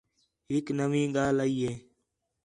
ہِک نویں ڳالھ ای ہِے